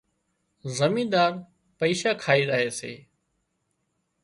زمينۮار پئيشا کائي زائي سي